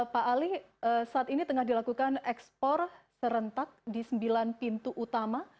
pak ali saat ini tengah dilakukan ekspor serentak di sembilan pintu utama